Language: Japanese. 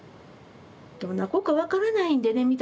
どんな子か分からないんでね